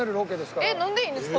えっ飲んでいいんですか？